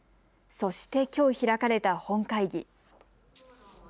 そして、きょう開かれた本会議。